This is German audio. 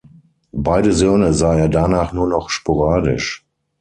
Beide Söhne sah er danach nur noch sporadisch.